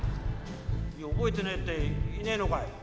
「いや覚えてねえっていねえのかい？